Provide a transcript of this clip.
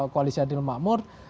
koalisi adil makmur